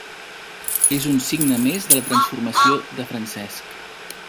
És un signe més de la transformació de Francesc.